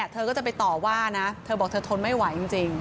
เธอก็จะไปต่อว่านะเธอบอกเธอทนไม่ไหวจริง